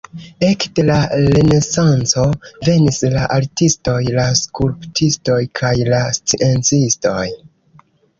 Ekde la renesanco venis la artistoj, la skulptistoj kaj la sciencistoj.